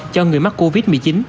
cho người mắc covid một mươi chín